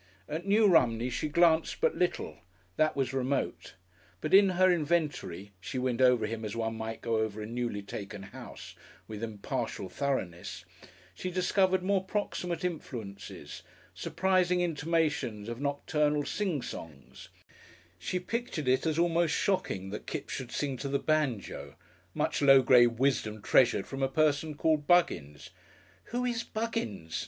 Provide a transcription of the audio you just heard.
At New Romney she glanced but little; that was remote. But in her inventory she went over him as one might go over a newly taken house, with impartial thoroughness she discovered more proximate influences, surprising intimations of nocturnal "sing songs" she pictured it as almost shocking that Kipps should sing to the banjo much low grade wisdom treasured from a person called Buggins "Who is Buggins?"